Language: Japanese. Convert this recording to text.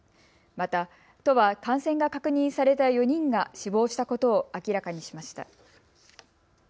また、都は感染が確認された４人が死亡したことを明らかにしました。